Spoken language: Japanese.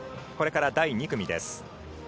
これから第２組です。